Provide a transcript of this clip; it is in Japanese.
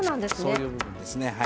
そういう部分ですね。